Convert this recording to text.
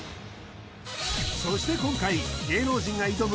そして今回芸能人が挑む